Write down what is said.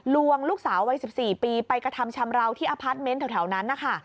ลวงลูกสาววัย๑๔ปีไปกระทำชำราวที่อพาร์ทเมนต์แถวนั้นนะคะ